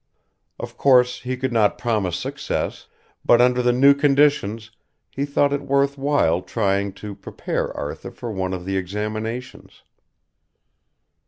Of course he could not promise success, but under the new conditions he thought it worth while trying to prepare Arthur for one of the examinations.